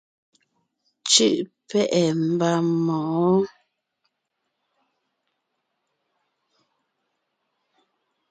Cú’ pɛ́’ɛ mba mɔ̌ɔn.